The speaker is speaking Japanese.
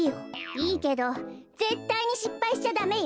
いいけどぜったいにしっぱいしちゃダメよ。